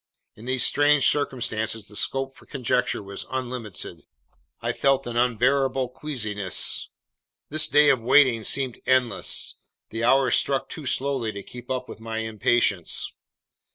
In these strange circumstances the scope for conjecture was unlimited. I felt an unbearable queasiness. This day of waiting seemed endless. The hours struck too slowly to keep up with my impatience.